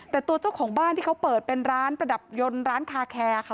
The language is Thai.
แต่ตัวเจ้าของบ้านที่เขาเปิดเป็นร้านประดับยนต์ร้านคาแคร์ค่ะ